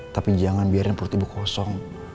tapi jangan biarin perut ibu kosong